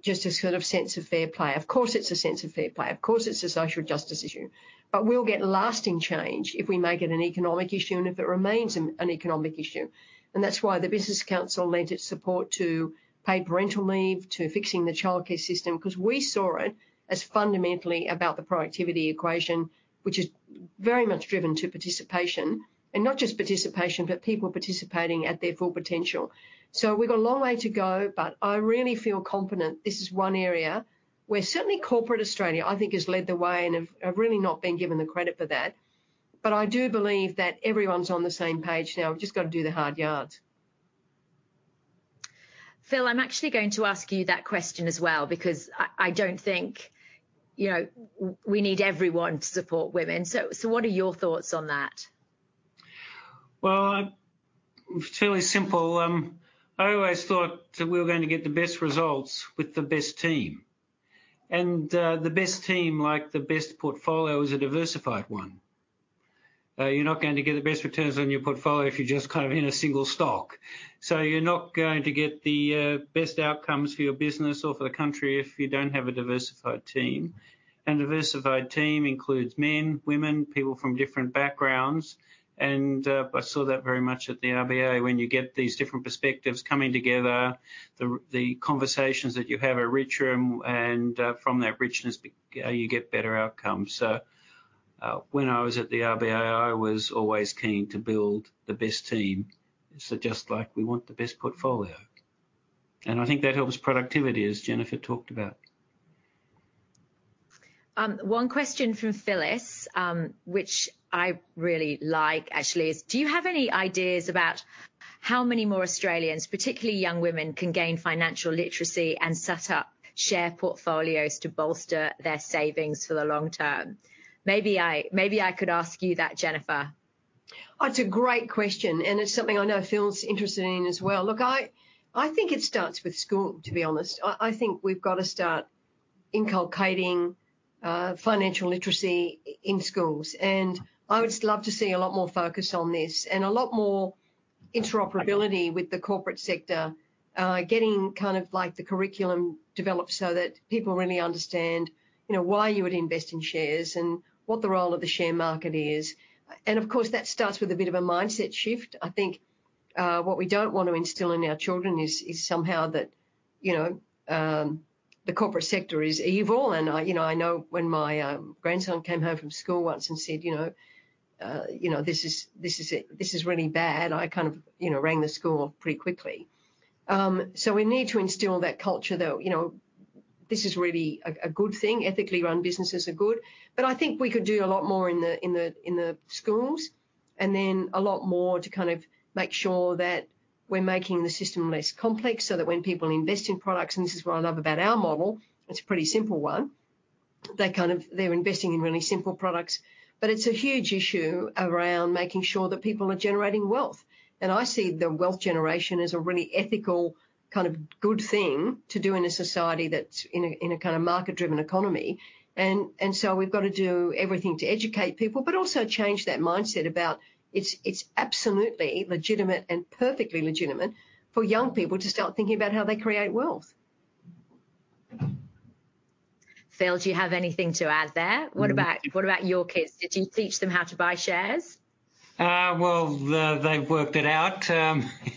just a sort of sense of fair play. Of course, it's a sense of fair play. Of course, it's a social justice issue. But we'll get lasting change if we make it an economic issue, and if it remains an economic issue. And that's why the Business Council lent its support to paid parental leave, to fixing the childcare system, 'cause we saw it as fundamentally about the productivity equation, which is very much driven to participation, and not just participation, but people participating at their full potential. So we've got a long way to go, but I really feel confident this is one area where certainly corporate Australia, I think, has led the way and have really not been given the credit for that. But I do believe that everyone's on the same page now. We've just got to do the hard yards. Phil, I'm actually going to ask you that question as well, because I don't think, you know, we need everyone to support women. So, what are your thoughts on that? Well, it's fairly simple. I always thought that we were going to get the best results with the best team. The best team, like the best portfolio, is a diversified one. You're not going to get the best returns on your portfolio if you're just kind of in a single stock. You're not going to get the best outcomes for your business or for the country if you don't have a diversified team. A diversified team includes men, women, people from different backgrounds, and I saw that very much at the RBA. When you get these different perspectives coming together, the conversations that you have are richer and, from that richness, you get better outcomes. So, when I was at the RBA, I was always keen to build the best team, so just like we want the best portfolio. I think that helps productivity, as Jennifer talked about. One question from Phyllis, which I really like, actually, is: Do you have any ideas about how many more Australians, particularly young women, can gain financial literacy and set up share portfolios to bolster their savings for the long term? Maybe I, maybe I could ask you that, Jennifer. Oh, it's a great question, and it's something I know Phil's interested in as well. Look, I think it starts with school, to be honest. I think we've got to start inculcating financial literacy in schools, and I would love to see a lot more focus on this and a lot more interoperability with the corporate sector. Getting kind of like the curriculum developed so that people really understand, you know, why you would invest in shares and what the role of the share market is. And of course, that starts with a bit of a mindset shift. I think what we don't want to instill in our children is somehow that, you know, the corporate sector is evil. And I, you know, I know when my grandson came home from school once and said, you know-... You know, this is, this is it. This is really bad. I kind of, you know, rang the school pretty quickly. So we need to instill that culture, though. You know, this is really a good thing. Ethically run businesses are good, but I think we could do a lot more in the schools, and then a lot more to kind of make sure that we're making the system less complex, so that when people invest in products, and this is what I love about our model, it's a pretty simple one. They kind of... They're investing in really simple products. But it's a huge issue around making sure that people are generating wealth. And I see the wealth generation as a really ethical, kind of, good thing to do in a society that's in a kind of market-driven economy. And so we've got to do everything to educate people, but also change that mindset about it's absolutely legitimate and perfectly legitimate for young people to start thinking about how they create wealth. Phil, do you have anything to add there? What about, what about your kids? Did you teach them how to buy shares? Well, they've worked it out.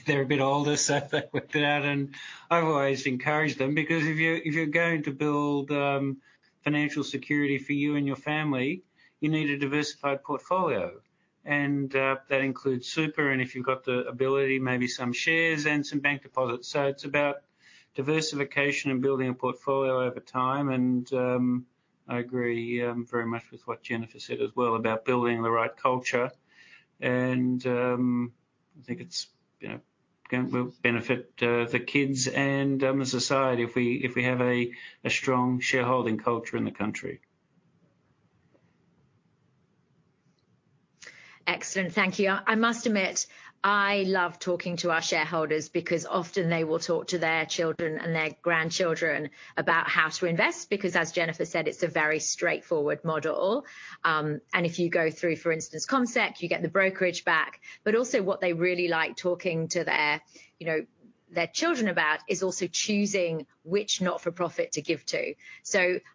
They're a bit older, so they've worked it out, and I've always encouraged them because if you're going to build financial security for you and your family, you need a diversified portfolio, and that includes super, and if you've got the ability, maybe some shares and some bank deposits. So it's about diversification and building a portfolio over time, and I agree very much with what Jennifer said as well, about building the right culture. I think it's, you know, going to benefit the kids and the society if we have a strong shareholding culture in the country. Excellent. Thank you. I must admit, I love talking to our shareholders because often they will talk to their children and their grandchildren about how to invest, because, as Jennifer said, it's a very straightforward model. If you go through, for instance, CommSec, you get the brokerage back. Also what they really like talking to their, you know, their children about, is also choosing which not-for-profit to give to.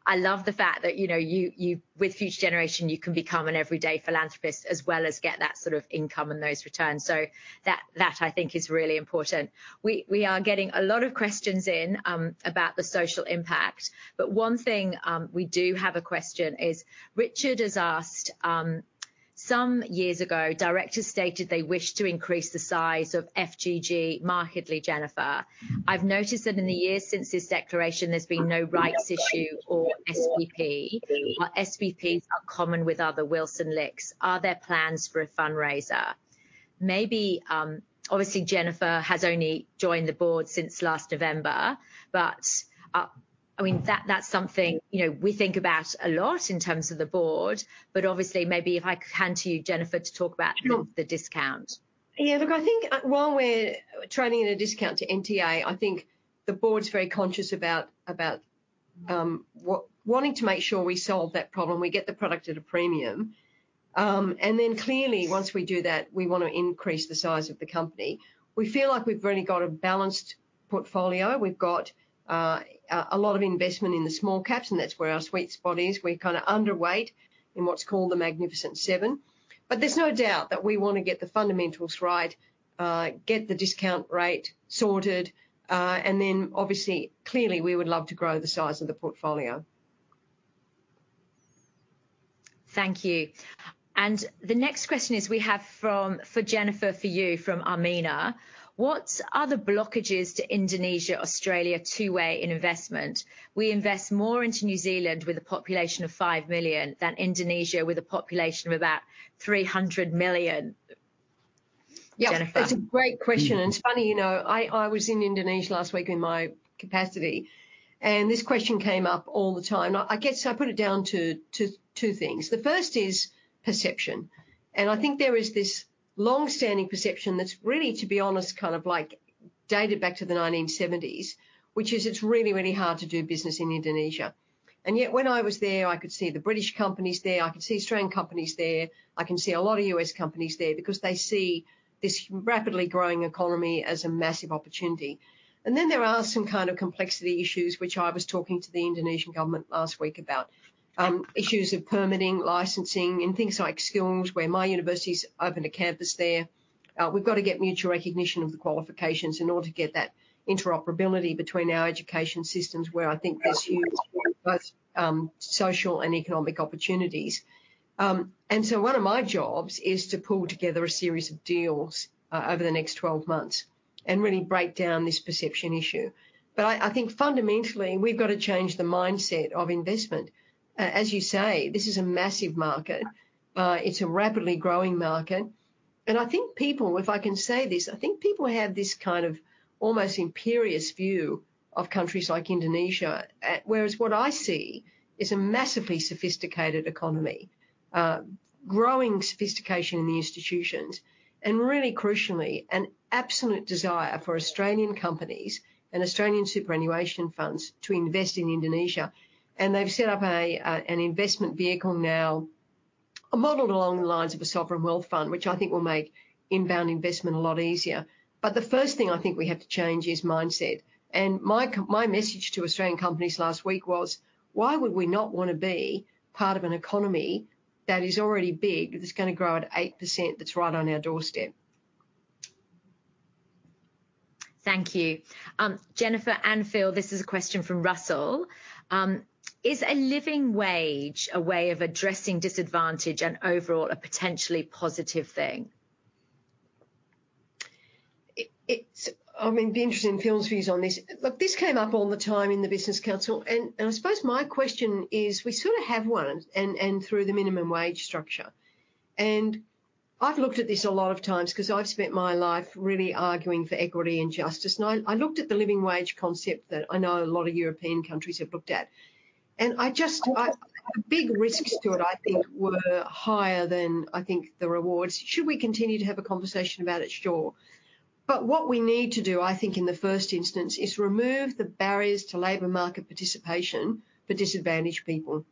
I love the fact that, you know, you with Future Generation, you can become an everyday philanthropist as well as get that sort of income and those returns. That, I think is really important. We are getting a lot of questions in about the social impact, but one thing we do have a question is, Richard has asked: Some years ago, directors stated they wished to increase the size of FGG markedly, Jennifer. I've noticed that in the years since this declaration, there's been no rights issue or SPP. Our SPPs are common with other Wilson LICs. Are there plans for a fundraiser? Maybe... Obviously, Jennifer has only joined the board since last November, but I mean, that's something, you know, we think about a lot in terms of the board, but obviously, maybe if I could hand to you, Jennifer, to talk about- Sure. -the discount. Yeah, look, I think while we're trading in a discount to NTA, I think the board's very conscious about wanting to make sure we solve that problem, we get the product at a premium. And then clearly, once we do that, we want to increase the size of the company. We feel like we've really got a balanced portfolio. We've got a lot of investment in the small caps, and that's where our sweet spot is. We're kind of underweight in what's called the Magnificent Seven, but there's no doubt that we want to get the fundamentals right, get the discount rate sorted, and then, obviously, clearly, we would love to grow the size of the portfolio. Thank you. And the next question is, we have from, for Jennifer, for you, from Amina: What are the blockages to Indonesia, Australia, two-way investment? We invest more into New Zealand with a population of 5 million than Indonesia, with a population of about 300 million. Jennifer. Yeah, that's a great question, and it's funny, you know, I was in Indonesia last week in my capacity, and this question came up all the time. I guess I put it down to two things. The first is perception, and I think there is this long-standing perception that's really, to be honest, kind of like dated back to the 1970s, which is it's really, really hard to do business in Indonesia. And yet, when I was there, I could see the British companies there, I could see Australian companies there, I can see a lot of U.S. companies there because they see this rapidly growing economy as a massive opportunity. And then there are some kind of complexity issues, which I was talking to the Indonesian government last week about. Issues of permitting, licensing, and things like skills, where my university's opened a campus there. We've got to get mutual recognition of the qualifications in order to get that interoperability between our education systems, where I think there's huge, both, social and economic opportunities. And so one of my jobs is to pull together a series of deals over the next 12 months and really break down this perception issue. But I, I think fundamentally, we've got to change the mindset of investment. As you say, this is a massive market, it's a rapidly growing market, and I think people, if I can say this, I think people have this kind of almost imperious view of countries like Indonesia, whereas what I see is a massively sophisticated economy, growing sophistication in the institutions, and really crucially, an absolute desire for Australian companies and Australian superannuation funds to invest in Indonesia. And they've set up a, an investment vehicle now, modeled along the lines of a sovereign wealth fund, which I think will make inbound investment a lot easier. But the first thing I think we have to change is mindset. And my message to Australian companies last week was, why would we not want to be part of an economy that is already big, that's going to grow at 8%, that's right on our doorstep? ...Thank you. Jennifer and Phil, this is a question from Russell. Is a living wage a way of addressing disadvantage and overall a potentially positive thing? I mean, be interesting in Phil's views on this. Look, this came up all the time in the Business Council, and I suppose my question is, we sort of have one, and through the minimum wage structure. And I've looked at this a lot of times 'cause I've spent my life really arguing for equity and justice, and I looked at the living wage concept that I know a lot of European countries have looked at. And I just, the big risks to it, I think, were higher than, I think, the rewards. Should we continue to have a conversation about it? Sure. But what we need to do, I think, in the first instance, is remove the barriers to labor market participation for disadvantaged people.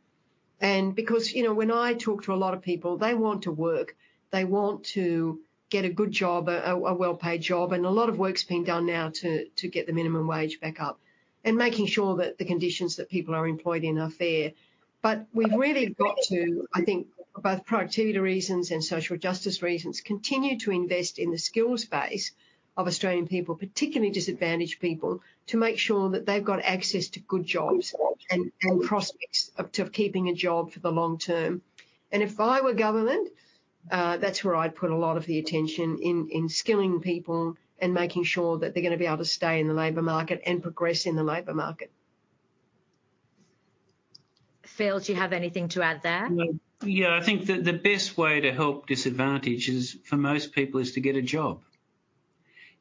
Because, you know, when I talk to a lot of people, they want to work, they want to get a good job, a well-paid job, and a lot of work's being done now to get the minimum wage back up. And making sure that the conditions that people are employed in are fair. But we've really got to, I think, both productivity reasons and social justice reasons, continue to invest in the skills base of Australian people, particularly disadvantaged people, to make sure that they've got access to good jobs and prospects of keeping a job for the long term. And if I were government, that's where I'd put a lot of the attention in skilling people and making sure that they're gonna be able to stay in the labor market and progress in the labor market. Phil, do you have anything to add there? Yeah, I think the best way to help disadvantage is, for most people, to get a job.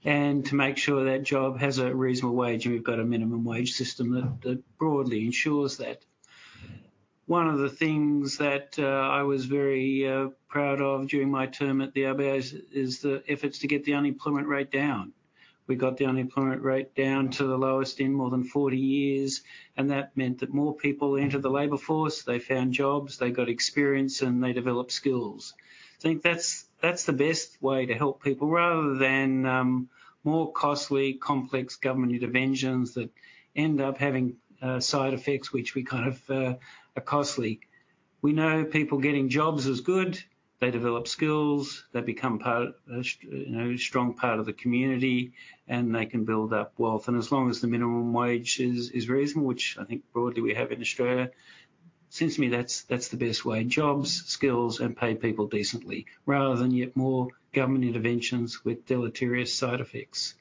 And to make sure that job has a reasonable wage, and we've got a minimum wage system that broadly ensures that. One of the things that I was very proud of during my term at the RBA is the efforts to get the unemployment rate down. We got the unemployment rate down to the lowest in more than 40 years, and that meant that more people entered the labor force, they found jobs, they got experience, and they developed skills. I think that's the best way to help people, rather than more costly, complex government interventions that end up having side effects, which we kind of are costly. We know people getting jobs is good. They develop skills, they become part, you know, a strong part of the community, and they can build up wealth. As long as the minimum wage is reasonable, which I think broadly we have in Australia, seems to me that's the best way. Jobs, skills, and pay people decently, rather than yet more government interventions with deleterious side effects.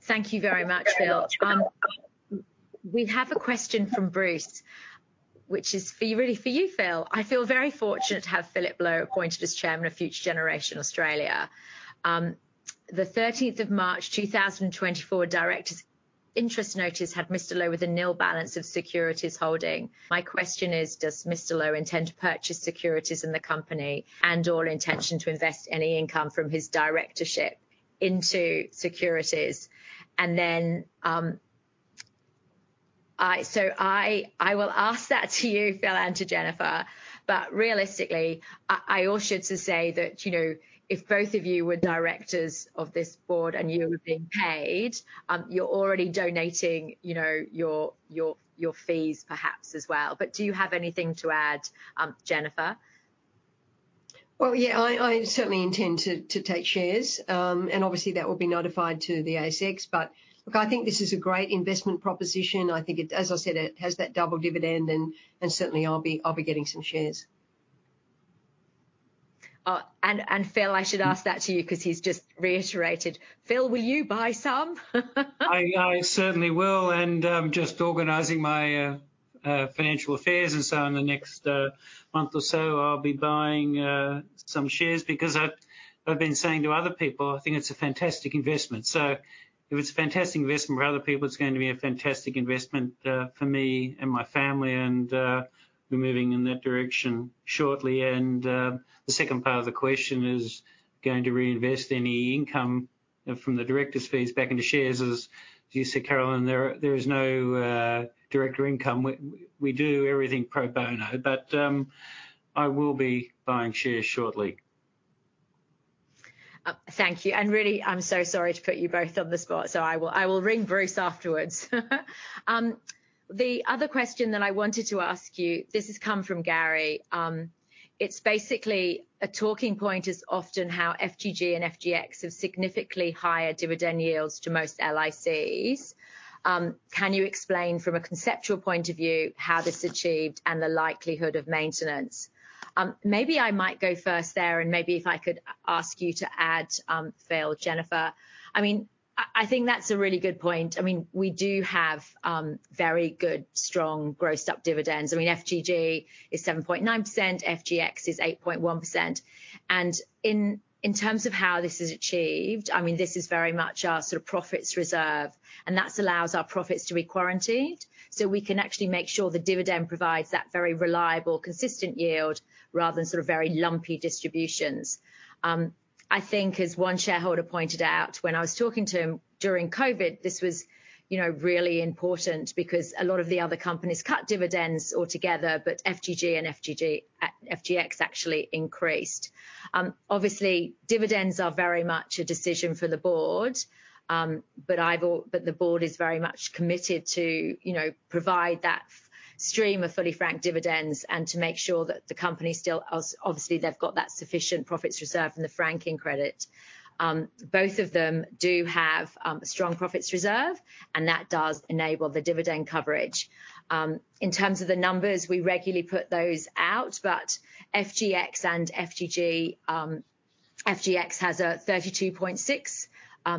Thank you very much, Phil. We have a question from Bruce, which is for, really for you, Phil. "I feel very fortunate to have Philip Lowe appointed as chairman of Future Generation Australia. The 13th of March 2024 Directors' Interest Notice had Mr. Lowe with a nil balance of securities holding. My question is, does Mr. Lowe intend to purchase securities in the company and or intention to invest any income from his directorship into securities?" And then, so I will ask that to you, Phil and to Jennifer, but realistically, I ought should to say that, you know, if both of you were directors of this board and you were being paid, you're already donating, you know, your fees perhaps as well. But do you have anything to add, Jennifer? Well, yeah, I certainly intend to take shares, and obviously, that will be notified to the ASX. But look, I think this is a great investment proposition. I think it... As I said, it has that double dividend, and certainly, I'll be getting some shares. And Phil, I should ask that to you 'cause he's just reiterated. Phil, will you buy some? I certainly will, and I'm just organizing my financial affairs and so on in the next month or so I'll be buying some shares because I've been saying to other people, I think it's a fantastic investment. So if it's a fantastic investment for other people, it's going to be a fantastic investment for me and my family, and we're moving in that direction shortly. And the second part of the question is: going to reinvest any income from the directors' fees back into shares. As you said, Caroline, there is no director income. We do everything pro bono, but I will be buying shares shortly. Thank you, and really, I'm so sorry to put you both on the spot, so I will ring Bruce afterwards. The other question that I wanted to ask you, this has come from Gary. It's basically a talking point is often how FGG and FGX have significantly higher dividend yields to most LICs. Can you explain from a conceptual point of view, how this is achieved and the likelihood of maintenance? Maybe I might go first there, and maybe if I could ask you to add, Phil, Jennifer. I mean, I think that's a really good point. I mean, we do have very good, strong, grossed-up dividends. I mean, FGG is 7.9%, FGX is 8.1%, and in terms of how this is achieved, I mean, this is very much our sort of profits reserve, and that allows our profits to be quarantined. So we can actually make sure the dividend provides that very reliable, consistent yield, rather than sort of very lumpy distributions. I think as one shareholder pointed out when I was talking to him during COVID, this was, you know, really important because a lot of the other companies cut dividends altogether, but FGG and FGG, FGX actually increased. Obviously, dividends are very much a decision for the board. But the board is very much committed to, you know, provide that f-... stream of fully franked dividends and to make sure that the company still, obviously, they've got that sufficient profits reserve from the franking credit. Both of them do have strong profits reserve, and that does enable the dividend coverage. In terms of the numbers, we regularly put those out, but FGX and FGG, FGX has a 32.6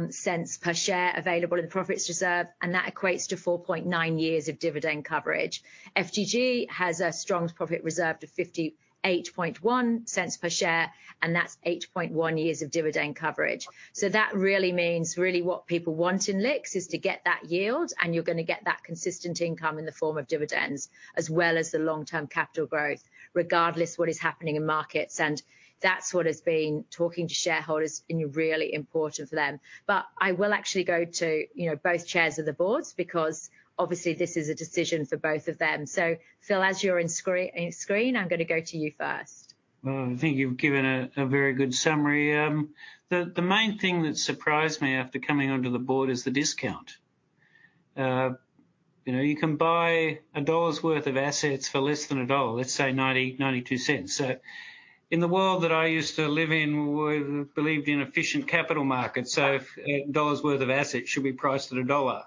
cents per share available in the profits reserve, and that equates to 4.9 years of dividend coverage. FGG has a strong profit reserve of 58.1 cents per share, and that's 8.1 years of dividend coverage. So that really means, really what people want in LICs is to get that yield, and you're gonna get that consistent income in the form of dividends, as well as the long-term capital growth, regardless what is happening in markets. And that's what has been talking to shareholders, and really important for them. But I will actually go to, you know, both chairs of the boards, because obviously this is a decision for both of them. So Phil, as you're in screen, I'm gonna go to you first. Well, I think you've given a very good summary. The main thing that surprised me after coming onto the board is the discount. You know, you can buy an AUD 1 worth of assets for less than AUD 1, let's say 92 cents. So in the world that I used to live in, we believed in efficient capital markets, so an AUD 1 worth of assets should be priced at AUD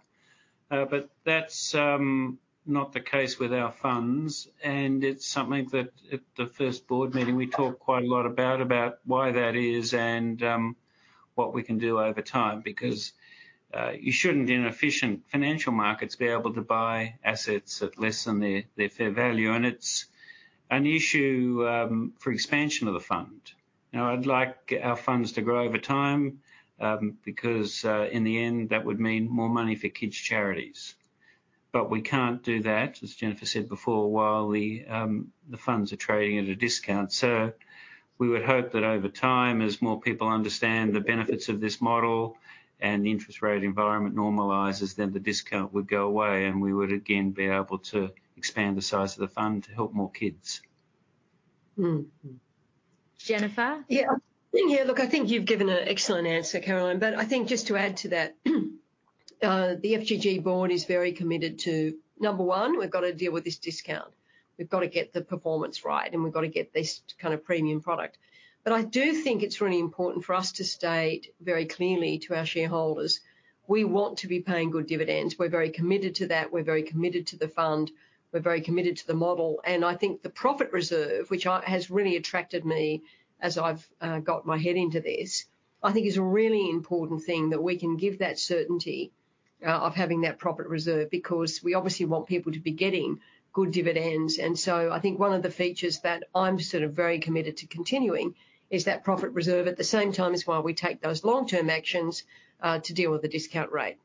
1. But that's not the case with our funds, and it's something that at the first board meeting, we talked quite a lot about why that is and what we can do over time, because you shouldn't, in efficient financial markets, be able to buy assets at less than their fair value. It's an issue for expansion of the fund. Now, I'd like our funds to grow over time, because, in the end, that would mean more money for kids' charities. But we can't do that, as Jennifer said before, while the funds are trading at a discount. So we would hope that over time, as more people understand the benefits of this model and the interest rate environment normalizes, then the discount would go away, and we would again be able to expand the size of the fund to help more kids. Mm-hmm. Jennifer? Yeah. Yeah, look, I think you've given an excellent answer, Caroline, but I think just to add to that, the FGG board is very committed to, number one, we've got to deal with this discount. We've got to get the performance right, and we've got to get this kind of premium product. But I do think it's really important for us to state very clearly to our shareholders, we want to be paying good dividends. We're very committed to that. We're very committed to the fund. We're very committed to the model, and I think the profits reserve, which has really attracted me as I've got my head into this, I think is a really important thing, that we can give that certainty of having that profits reserve, because we obviously want people to be getting good dividends. And so I think one of the features that I'm sort of very committed to continuing is that profits reserve at the same time as while we take those long-term actions to deal with the discount rate.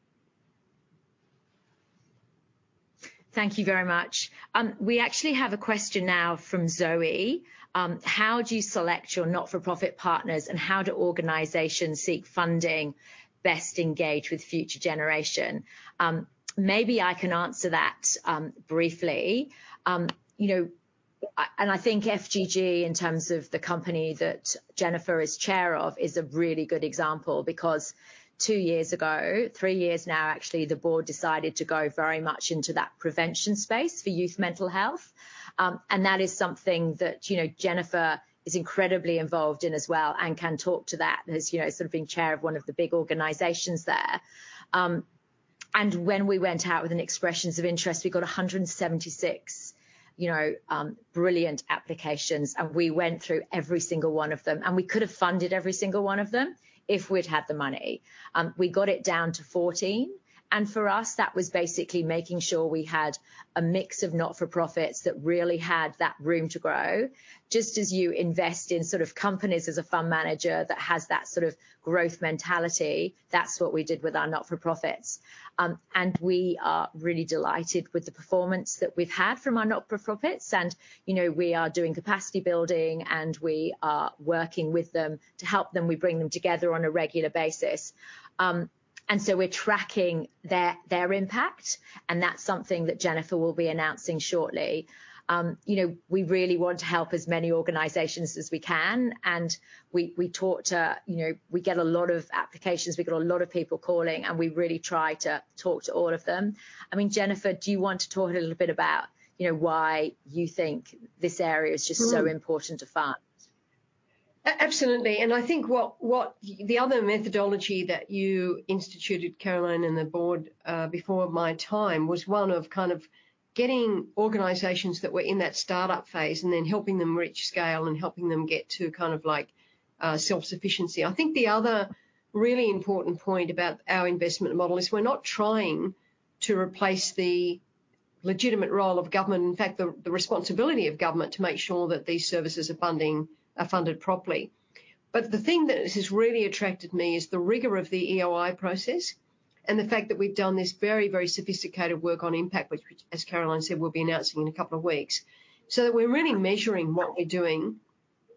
Thank you very much. We actually have a question now from Zoe. How do you select your not-for-profit partners, and how do organizations seek funding best engage with Future Generation? Maybe I can answer that, briefly. You know, and I think FGG, in terms of the company that Jennifer is chair of, is a really good example, because 2 years ago, 3 years now, actually, the board decided to go very much into that prevention space for youth mental health. And that is something that, you know, Jennifer is incredibly involved in as well and can talk to that, as, you know, sort of being chair of one of the big organizations there. And when we went out with an expressions of interest, we got 176, you know, brilliant applications, and we went through every single one of them, and we could have funded every single one of them if we'd had the money. We got it down to 14, and for us, that was basically making sure we had a mix of not-for-profits that really had that room to grow. Just as you invest in sort of companies as a fund manager that has that sort of growth mentality, that's what we did with our not-for-profits. And we are really delighted with the performance that we've had from our not-for-profits, and, you know, we are doing capacity building, and we are working with them to help them. We bring them together on a regular basis. and so we're tracking their, their impact, and that's something that Jennifer will be announcing shortly. You know, we really want to help as many organizations as we can, and we, we talk to... You know, we get a lot of applications, we get a lot of people calling, and we really try to talk to all of them. I mean, Jennifer, do you want to talk a little bit about, you know, why you think this area is just so important to fund? Absolutely. And I think what... The other methodology that you instituted, Caroline, and the board, before my time, was one of kind of getting organizations that were in that startup phase, and then helping them reach scale and helping them get to kind of like self-sufficiency. I think the other really important point about our investment model is we're not trying to replace the legitimate role of government. In fact, the responsibility of government to make sure that these services are funding, are funded properly. But the thing that has really attracted me is the rigor of the EOI process and the fact that we've done this very, very sophisticated work on impact, which, as Caroline said, we'll be announcing in a couple of weeks. So we're really measuring what we're doing,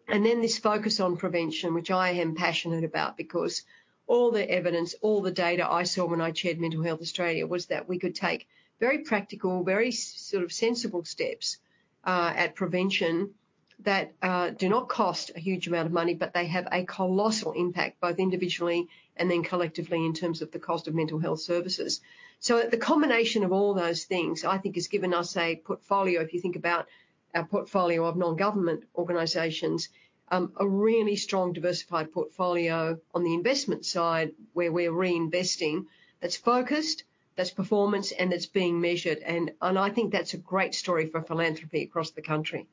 and then this focus on prevention, which I am passionate about, because all the evidence, all the data I saw when I chaired Mental Health Australia, was that we could take very practical, very sensible steps at prevention that do not cost a huge amount of money, but they have a colossal impact, both individually and then collectively, in terms of the cost of mental health services. So the combination of all those things, I think, has given us a portfolio, if you think about our portfolio of non-government organizations, a really strong, diversified portfolio on the investment side, where we're reinvesting, that's focused, that's performance, and that's being measured, and I think that's a great story for philanthropy across the country.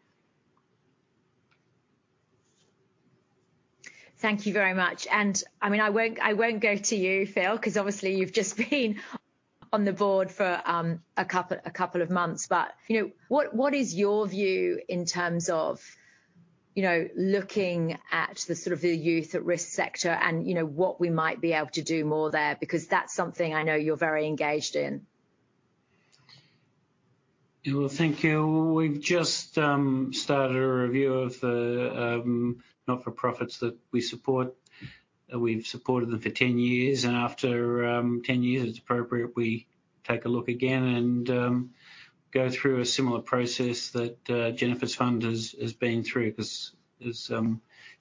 Thank you very much. I mean, I won't go to you, Phil, 'cause obviously you've just been on the board for a couple of months. But, you know, what is your view in terms of, you know, looking at the sort of the youth at risk sector and, you know, what we might be able to do more there? Because that's something I know you're very engaged in. Yeah. Well, thank you. We've just started a review of the not-for-profits that we support. We've supported them for 10 years, and after 10 years, it's appropriate we take a look again and go through a similar process that Jennifer's fund has been through. 'Cause as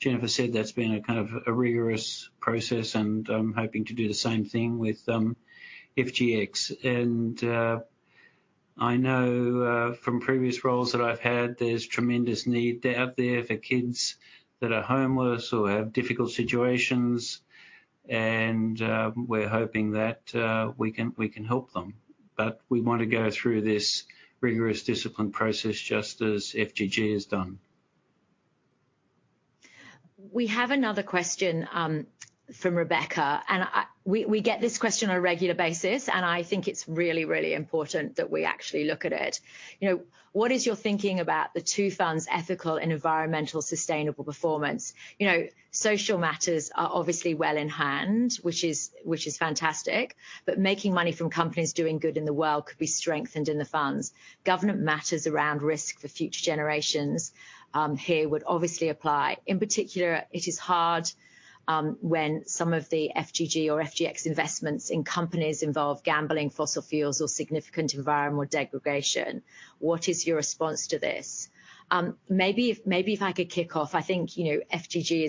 Jennifer said, that's been a kind of a rigorous process, and I'm hoping to do the same thing with FGX. And I know from previous roles that I've had, there's tremendous need out there for kids that are homeless or have difficult situations, and we're hoping that we can help them. But we want to go through this rigorous discipline process, just as FGG has done. We have another question from Rebecca, and we get this question on a regular basis, and I think it's really, really important that we actually look at it. You know, what is your thinking about the two funds' ethical and environmental sustainable performance? You know, social matters are obviously well in hand, which is fantastic, but making money from companies doing good in the world could be strengthened in the funds. Government matters around risk for future generations here would obviously apply. In particular, it is hard when some of the FGG or FGX investments in companies involve gambling, fossil fuels, or significant environmental degradation. What is your response to this? Maybe if I could kick off, I think, you know, FGG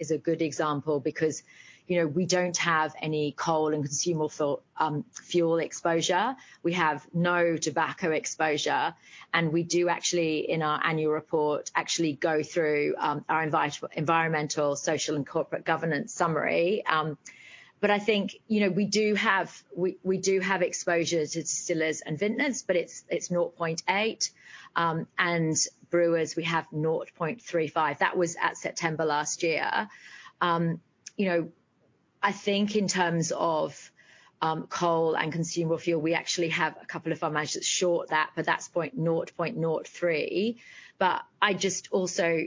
is a good example because, you know, we don't have any coal and consumable fuel exposure. We have no tobacco exposure, and we do actually, in our annual report, actually go through our environmental, social, and corporate governance summary. But I think, you know, we do have exposures to distillers and vintners, but it's 0.8, and brewers, we have 0.35. That was at September last year. You know, I think in terms of coal and consumable fuel, we actually have a couple of our managers short that, but that's 0.03. But I just also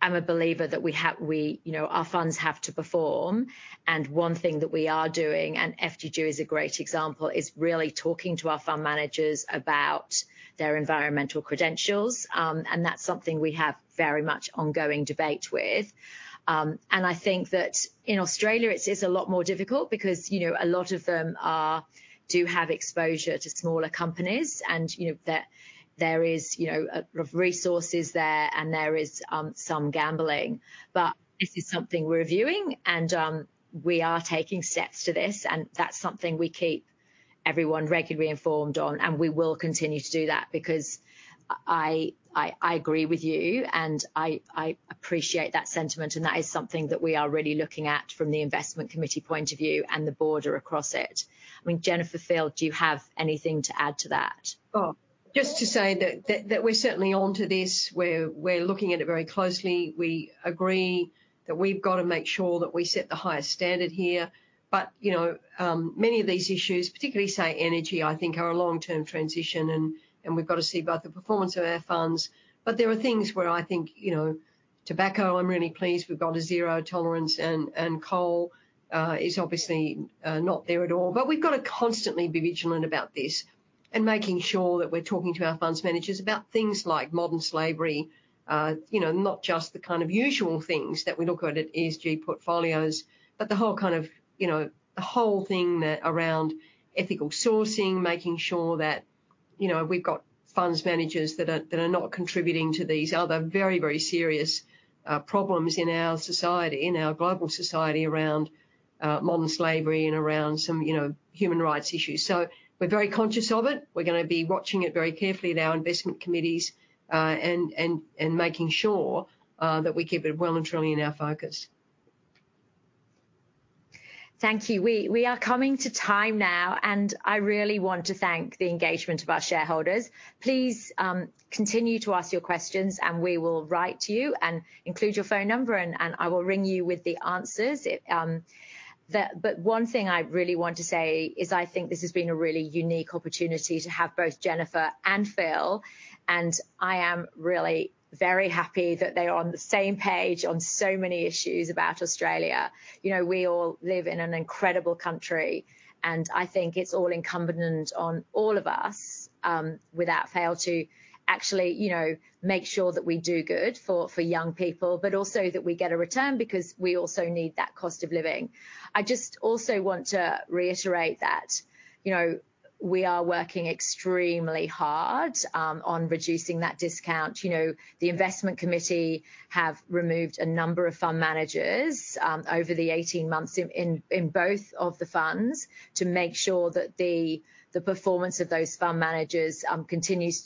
am a believer that we have, we, you know, our funds have to perform, and one thing that we are doing, and FGG is a great example, is really talking to our fund managers about their environmental credentials. And that's something we have very much ongoing debate with. And I think that in Australia it is a lot more difficult because, you know, a lot of them are, do have exposure to smaller companies and, you know, there is, you know, resources there, and there is some gambling. But this is something we're reviewing, and we are taking steps to this, and that's something we keep everyone regularly informed on, and we will continue to do that. Because I agree with you, and I appreciate that sentiment, and that is something that we are really looking at from the Investment Committee point of view and the board are across it. I mean, Jennifer, Phil, do you have anything to add to that? Oh, just to say that we're certainly onto this. We're looking at it very closely. We agree that we've got to make sure that we set the highest standard here. But, you know, many of these issues, particularly, say, energy, I think are a long-term transition, and we've got to see about the performance of our funds. But there are things where I think, you know, tobacco, I'm really pleased we've got a zero tolerance, and coal is obviously not there at all. But we've got to constantly be vigilant about this and making sure that we're talking to our fund managers about things like modern slavery, you know, not just the kind of usual things that we look at, at ESG portfolios, but the whole kind of, you know, the whole thing that, around ethical sourcing, making sure that, you know, we've got fund managers that are not contributing to these other very, very serious, problems in our society, in our global society, around, modern slavery and around some, you know, human rights issues. So we're very conscious of it. We're gonna be watching it very carefully in our Investment Committees, and making sure, that we keep it well and truly in our focus. Thank you. We are coming to time now, and I really want to thank the engagement of our shareholders. Please continue to ask your questions, and we will write to you, and include your phone number, and I will ring you with the answers. If the... But one thing I really want to say is, I think this has been a really unique opportunity to have both Jennifer and Phil, and I am really very happy that they are on the same page on so many issues about Australia. You know, we all live in an incredible country, and I think it's all incumbent on all of us, without fail, to actually, you know, make sure that we do good for young people, but also that we get a return because we also need that cost of living. I just also want to reiterate that, you know, we are working extremely hard on reducing that discount. You know, the Investment Committee have removed a number of fund managers over the 18 months in both of the funds, to make sure that the performance of those fund managers continues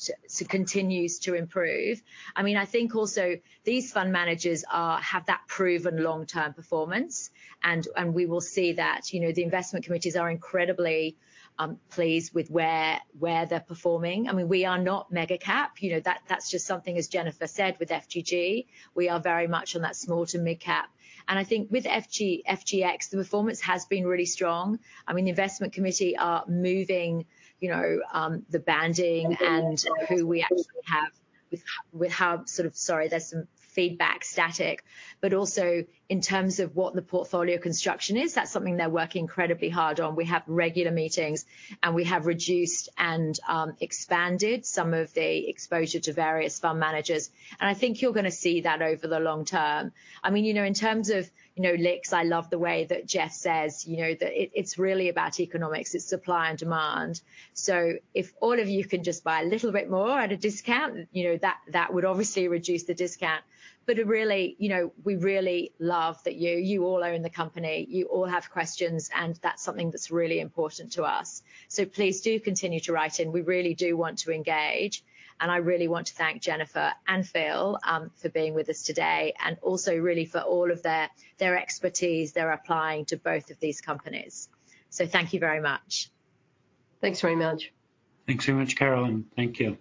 to improve. I mean, I think also these fund managers are have that proven long-term performance, and we will see that. You know, the Investment Committees are incredibly pleased with where they're performing. I mean, we are not mega cap. You know, that's just something, as Jennifer said, with FGG, we are very much on that small to mid cap. And I think with FGX, the performance has been really strong. I mean, the Investment Committee are moving, you know, the banding and who we actually have with how... Sorry, there's some feedback, static. But also in terms of what the portfolio construction is, that's something they're working incredibly hard on. We have regular meetings, and we have reduced and expanded some of the exposure to various fund managers, and I think you're gonna see that over the long term. I mean, you know, in terms of, you know, LIC, I love the way that Geoff says, you know, that it, it's really about economics. It's supply and demand. So if all of you can just buy a little bit more at a discount, you know, that would obviously reduce the discount. But it really, you know, we really love that you, you all own the company, you all have questions, and that's something that's really important to us. So please do continue to write in. We really do want to engage, and I really want to thank Jennifer and Phil for being with us today and also really for all of their, their expertise they're applying to both of these companies. So thank you very much. Thanks very much. Thanks very much, Caroline. Thank you.